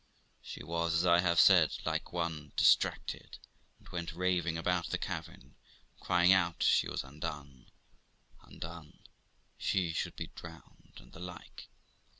She was, as I have said, like one distracted, and went raving about the cabin, crying out she was undone ! undone ! she should be drowned ! and the like.